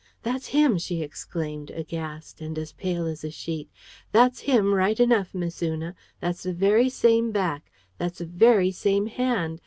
"That's him!" she exclaimed, aghast, and as pale as a sheet. "That's him, right enough, Miss Una. That's the very same back! That's the very same hand!